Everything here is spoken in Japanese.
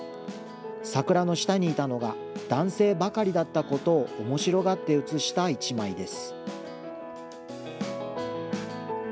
桜の下にいたのが男性ばかりだったことをおもしろがって写した１枚です。